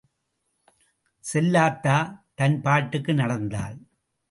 செல்லாத்தா, தன்பாட்டுக்கு நடந்தாள்.